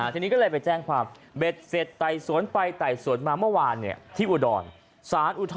ทีนี้ก็เลยไปแจ้งความเบ็ดเสร็จไต่สวนไปไต่สวนมาเมื่อวานที่อุดร